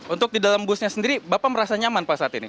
untuk di dalam busnya sendiri bapak merasa nyaman pak saat ini